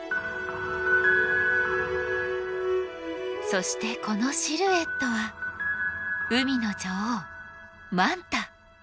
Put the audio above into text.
そしてこのシルエットは海の女王マンタ。